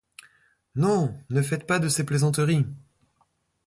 Non ! ne faites pas de ces plaisanteries !